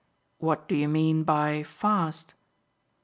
"What do you mean by fast?"